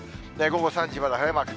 午後３時はまだ晴れマーク。